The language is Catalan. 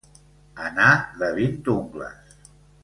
Anar de vint ungles.